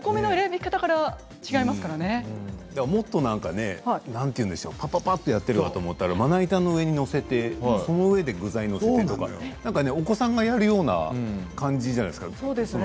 もっとぱぱぱっとやっているのかと思ったらまな板の上に載せてその上に具材を載せてお子さんがやるような感じ